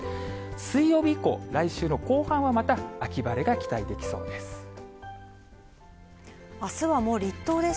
水曜日以降、来週の後半はまた秋晴れが期待できそうです。